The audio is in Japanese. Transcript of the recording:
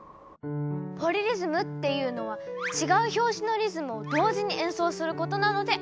ポリリズムっていうのは違う拍子のリズムを同時に演奏することなのである。